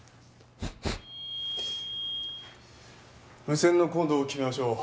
無線のコードを決めましょう。